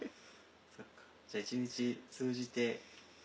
そっかじゃあ一日通じて。